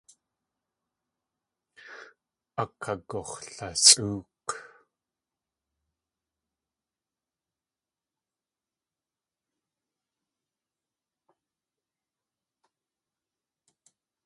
Akagux̲lasʼóok.